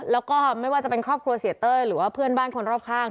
แล้วก็ไม่ว่าจะเป็นครอบครัวเสียเต้ยหรือว่าเพื่อนบ้านคนรอบข้าง